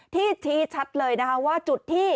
ที่ชี้ชัดเลยนะว่าจุดที่